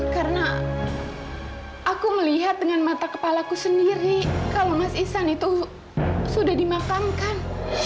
karena aku melihat dengan mata kepala ku sendiri kalau mas ihsan itu sudah dimakamkan